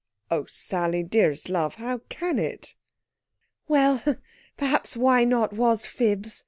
"Oh, Sally dearest love how can it?" "Well! Perhaps why not was fibs.